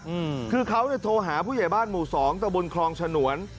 อืมคือเขาเนี่ยโทรหาผู้ใหญ่บ้านหมู่สองตะบนคลองฉนวน